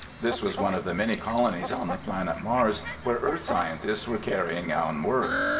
This was one of the many colonies on the planet Mars where Earth scientists were carrying on work.